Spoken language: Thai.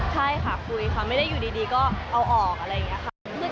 ใช่ค่ะคุยค่ะไม่ได้อยู่ดีก็เอาออกอะไรอย่างนี้ค่ะ